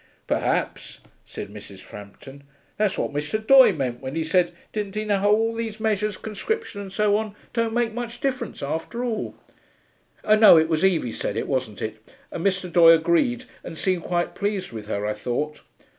'Perhaps,' said Mrs. Frampton, 'that's what Mr. Doye meant when he said, didn't he, how all these measures, conscription and so on, don't make so much difference after all. No, it was Evie said it, wasn't it? and Mr. Doye agreed and seemed quite pleased with her, I thought.